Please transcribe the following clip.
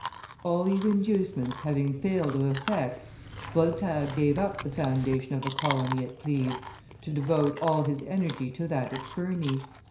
All these inducements having failed of effect, Voltaire gave up the foundation of a colony at Cleves, to devote all his energy to that at Ferney.